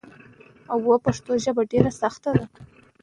پښتو ژبه په زده کړه کې بې میلي نه راولي.